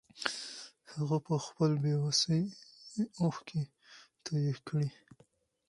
هغه په خپلې بې وسۍ اوښکې توې کړې.